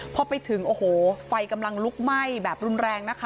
พอไปถึงโอ้โหไฟกำลังลุกไหม้แบบรุนแรงนะคะ